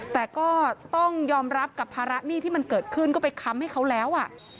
แต่ก็ต้องยอมรับกับภาระหนี้ที่มันเกิดขึ้นก็ไปค้ำให้เขาแล้ว